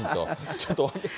ちょっと。